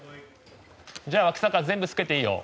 じゃあ全部つけていいよ。